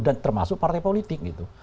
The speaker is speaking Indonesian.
dan termasuk partai politik gitu